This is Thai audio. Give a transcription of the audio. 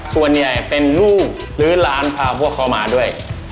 ส่วนใหญ่เป็นลูกหรือร้านพาพวกเขามาด้วย